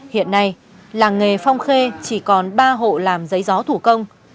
hiện nay làng nghề phong khê chỉ còn ba hộ làm giấy gió thủ công